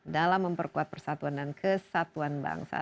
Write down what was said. dalam memperkuat persatuan bangsa